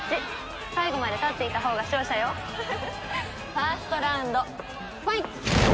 ファーストラウンドファイト！